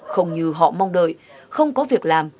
không như họ mong đợi không có việc làm